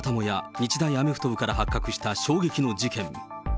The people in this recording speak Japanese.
日大アメフト部から発覚した衝撃の事件。